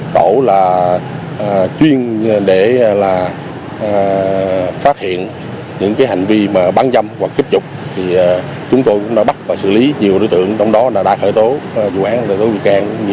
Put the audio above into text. tổ là chuyên để phát hiện những hành vi bán giam hoặc kích dục